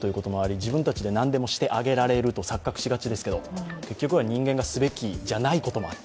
自分たちで何でもしてあげられると錯覚しがちですけれども、結局は人間がすべきじゃないこともあって。